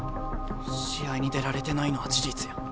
試合に出られてないのは事実や。